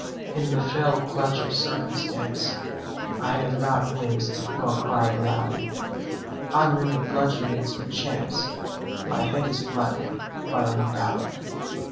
In the fell clutch of circumstance I have not winced nor cried aloud, Under the bludgeonings of chance My head is bloody, but unbowed.